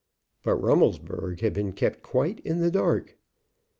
But Rummelsburg had been kept quite in the dark.